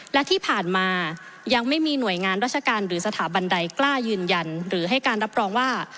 และที่ผ่านมายังไม่มีหน่วยงานราชการหรือสถาบันใดกล้ายืนยันหรือให้การรับรองว่า